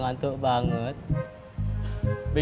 ga ada sagit ya